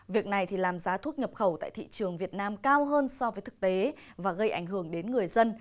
việc này làm giá thuốc nhập khẩu tại thị trường việt nam cao hơn so với thực tế và gây ảnh hưởng đến người dân